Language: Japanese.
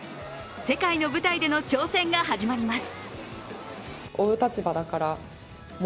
世界の舞台での挑戦が始まります。